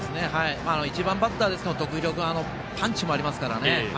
１番バッターの徳弘君、パンチもありますからね